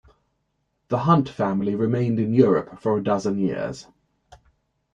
The Hunt family remained in Europe for a dozen years.